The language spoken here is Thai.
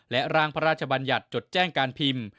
และร่างพระราชบัญญัติจดแจ้งการพิมพ์